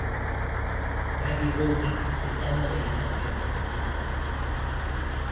Maggie Volnik is Emily and Jessup's mother.